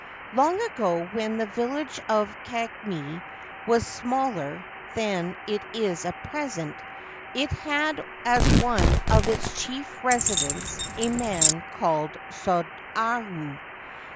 Long ago, when the village of Kagami was smaller than it is at present, it had as one of its chief residents a man called Sodayu.